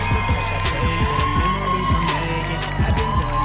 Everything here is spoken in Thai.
เวลาที่ออกมายืนกับ๔คน